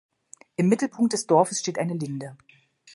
Im Mittelpunkt des Dorfes steht eine Linde.